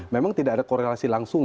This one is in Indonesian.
memang tidak ada korelasi langsung